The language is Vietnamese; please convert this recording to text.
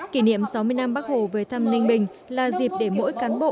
kỷ niệm sáu mươi năm bắc hồ về thăm ninh bình là dịp để mỗi cán bộ